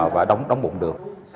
và đóng bụng được